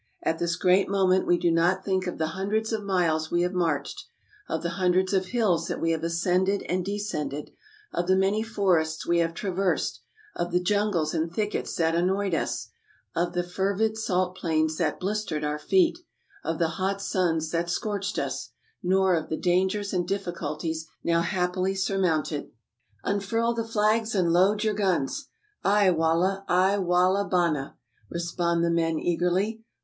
At this grand moment we do not think of the hundreds of miles we have marched, of the hundreds of hills that we have ascended and descended, of the many forests we have traversed, of the jungles and thickets that annoyed us, of the fervid salt plains that blistered our feet, of the hot suns that scorched us, nor of the dangers and difficulties now happily surmounted. " Unfurl the flags and load your guns! "" Ay wallah, ay wallah bana! " respond the men eagerly.